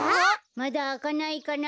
まだあかないかな。